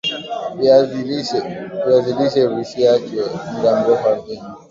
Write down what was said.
viazi lishe visiachwe mda mrefu ardhini